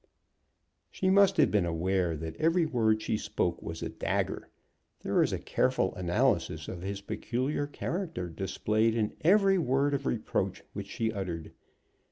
She must have been aware that every word she spoke was a dagger. There was a careful analysis of his peculiar character displayed in every word of reproach which she uttered.